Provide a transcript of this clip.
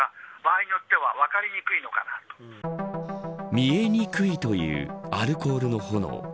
見えにくいというアルコールの炎。